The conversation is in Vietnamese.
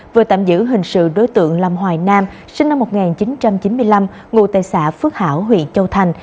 vừa tạm giữ hình sự đối tượng lâm hoài nam sinh năm một nghìn chín trăm chín mươi năm ngụ tại xã phước hảo huyện châu thành